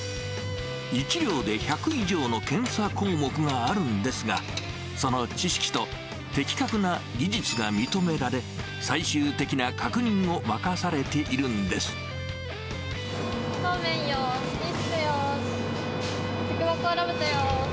１両で１００以上の検査項目があるんですが、その知識と的確な技術が認められ、最終的な確認を任されているんで踏面よし、ディスクよし、軸箱裏ぶたよし。